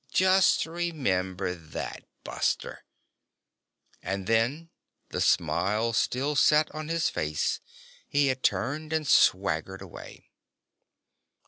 Just remember that, buster." And then, the smile still set on his face, he had turned and swaggered away.